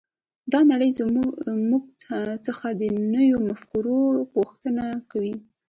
دا نړۍ له موږ څخه د نویو مفکورو غوښتنه کوي